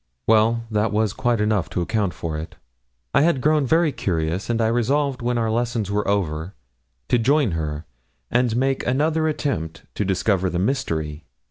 Well, that was quite enough to account for it. I had grown very curious, and I resolved when our lessons were over to join her and make another attempt to discover the mystery.